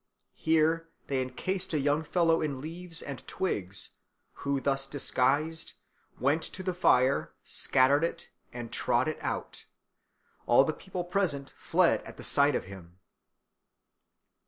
Here they encased a young fellow in leaves and twigs, who, thus disguised, went to the fire, scattered it, and trod it out. All the people present fled at the sight of him.